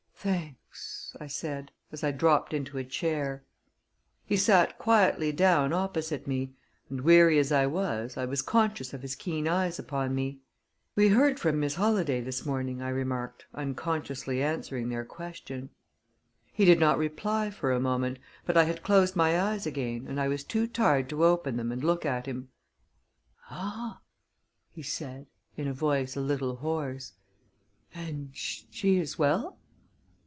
"Thanks," I said, as I dropped into a chair. He sat quietly down opposite me, and, weary as I was, I was conscious of his keen eyes upon me. "We heard from Miss Holladay this morning," I remarked, unconsciously answering their question. He did not reply for a moment, but I had closed my eyes again, and I was too tired to open them and look at him. "Ah," he said, in a voice a little hoarse; "and she is well?"